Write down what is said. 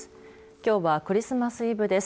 きょうはクリスマスイブです。